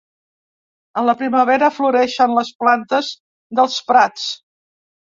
A la primavera floreixen les plantes dels prats.